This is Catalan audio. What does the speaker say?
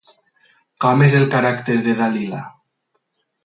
Com és el caràcter de Dalila?